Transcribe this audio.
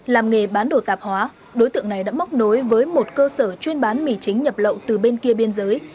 làm nghề bán đồ tạp hóa đối tượng này đã móc nối với một cơ sở chuyên bán mì chính nhập lậu từ bên kia biên giới